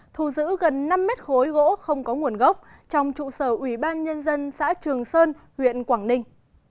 thu giữ gần năm mét khối gỗ không có nguồn gốc trong trụ sở ủy ban nhân dân xã trường sơn huyện quảng ninh